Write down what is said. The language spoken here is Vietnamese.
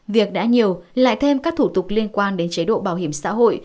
việc đã nhiều lại thêm các thủ tục liên quan đến chế độ bảo hiểm xã hội